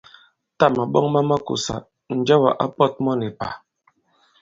Tâ màɓɔŋ ma makùsà, Njewà ǎ pɔ̄t mɔ nì pà.